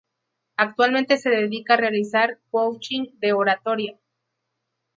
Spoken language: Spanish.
Actualmente se dedica a realizar coaching de oratoria.